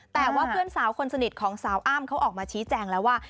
แต่ว่าเพื่อนสาวคนสนิทของสาวอ้ำเขาออกมาชี้แจงแล้วว่า